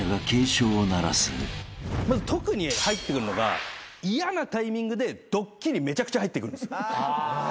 まず特に入ってくるのが嫌なタイミングでドッキリめちゃくちゃ入ってくる。